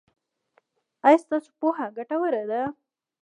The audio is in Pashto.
ایا ستاسو پوهه ګټوره ده؟